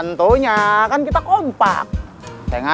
udah tuh udah kanssa teman teman